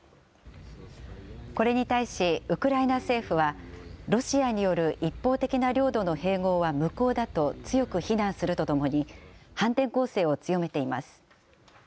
これに対しウクライナ政府は、ロシアによる一方的な領土の併合は無効だと強く非難するとともに、反転攻勢を強めています。